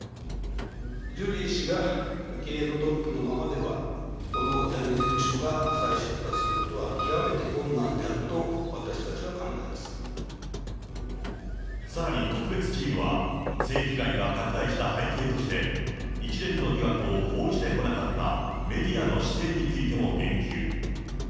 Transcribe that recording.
ジュリー氏が経営のトップのままでは、このジャニーズ事務所が再出発することは極めて困難であると私たさらに特別チームは、性被害が拡大した背景として、一連の疑惑を報じてこなかったメディアの姿勢についても言及。